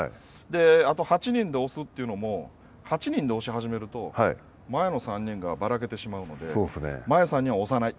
あと８人で押すというのも、８人で押し始めると前の３人がばらけてしまうので、前３人は押さない。